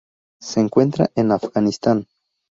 Se encuentra en Afganistán.